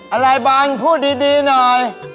อะไรบางพูดดีหน่อย